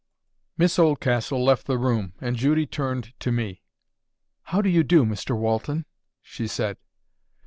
Miss Oldcastle left the room, and Judy turned to me. "How do you do, Mr Walton?" she said.